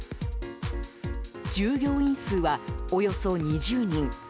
従業員数はおよそ２０人。